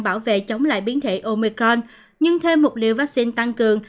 bảo vệ chống lại biến thể omicron nhưng thêm một liệu vaccine tăng cường